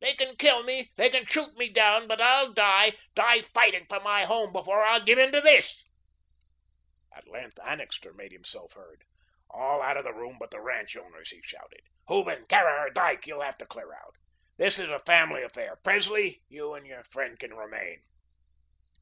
"They can kill me. They can shoot me down, but I'll die die fighting for my home before I'll give in to this." At length Annixter made himself heard: "All out of the room but the ranch owners," he shouted. "Hooven, Caraher, Dyke, you'll have to clear out. This is a family affair. Presley, you and your friend can remain."